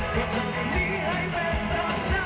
คือสิ่งนี้ที่หัวใจว่าจะการ